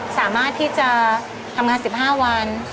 สามารถที่จะทำงาน๑๕วัน